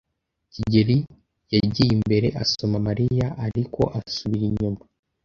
kigeli yagiye imbere asoma Mariya, ariko asubira inyuma.